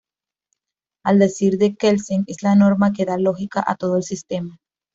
Al decir de Kelsen, es la norma que da lógica a todo el sistema.